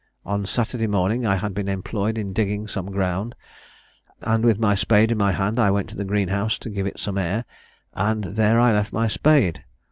On Saturday morning I had been employed in digging some ground, and with my spade in my hand I went to the green house to give it some air, and there I left my spade.